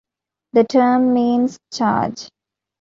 The term means charge.